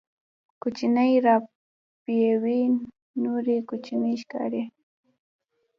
بوټونه د ورزش میدان ته ځانګړي وي.